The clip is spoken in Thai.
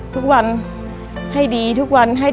มันต้องการแล้วก็หายให้มัน